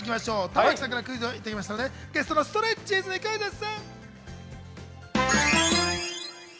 玉木さんからクイズをいただきましたので、ゲストのストレッチーズにクイズッス！